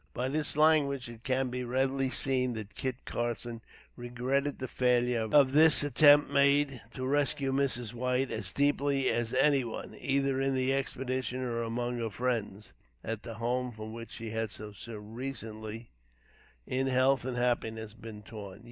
By this language it can be readily seen that Kit Carson regretted the failure of this attempt made to rescue Mrs. White as deeply as any one, either in the expedition, or among her friends at the home from which she had so recently, in health and happiness, been torn.